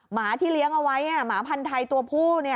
หมาที่เลี้ยงเอาไว้หมาพันธัยตัวผู้